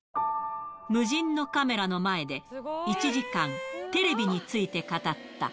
無人のカメラの前で、１時間、テレビについて語った。